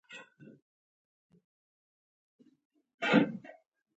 نجلۍ منډه واخيسته.